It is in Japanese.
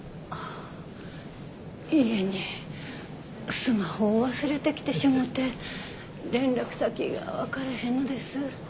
家にスマホを忘れてきてしもて連絡先が分かれへんのです。